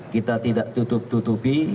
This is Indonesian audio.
kita tidak tutup tutupi